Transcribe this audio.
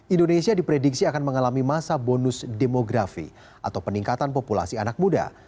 indonesia diprediksi akan mengalami masa bonus demografi atau peningkatan populasi anak muda